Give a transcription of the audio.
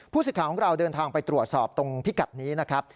สิทธิ์ของเราเดินทางไปตรวจสอบตรงพิกัดนี้นะครับ